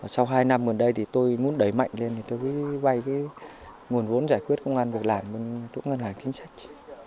sau hai năm gần đây thì tôi muốn đẩy mạnh lên thì tôi mới vay cái nguồn vốn giải quyết công an việc làm bên chủ ngân hàng chính sách